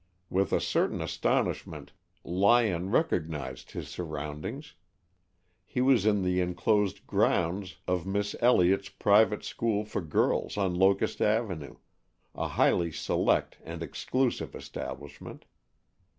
With a certain astonishment, Lyon recognized his surroundings. He was in the enclosed grounds of Miss Elliott's Private School for Girls on Locust Avenue, a highly select and exclusive establishment.